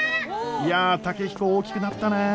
いや健彦大きくなったね。